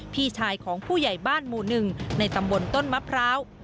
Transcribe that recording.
พี่ชายของผู้ใหญ่บ้านหมู่หนึ่งในตำบลต้นมะพร้าว